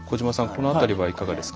この辺りはいかがですか？